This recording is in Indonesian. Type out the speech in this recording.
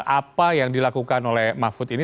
apa yang dilakukan oleh mahfud ini